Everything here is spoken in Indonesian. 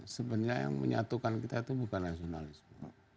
sebenarnya yang menyatukan kita itu bukan nasionalisme